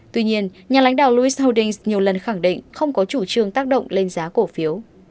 tuy nhiên nhà lãnh đạo lois holdings nhiều lần khẳng định không có chủ trương tác động lên giá cổ phiếu